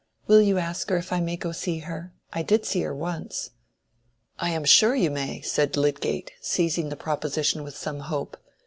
Will you ask her if I may go to see her? I did see her once." "I am sure you may," said Lydgate, seizing the proposition with some hope.